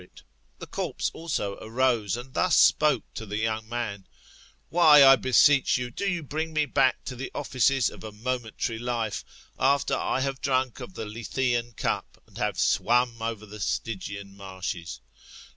Apol, 3a TAB ll£tAMOllt»ttOSlS» OR The corpse also arose, and thus spoke to the young man: Why, I beseech you, do you bring me back to the of&ces of a momentary life, after I have drank of the Lethsean cup, and have swam over the Stygian marshes?